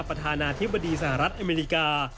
ประธานาธิบดีสหรัฐอเมริกา